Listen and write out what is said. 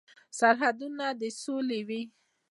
سرحدونه دې د سولې وي.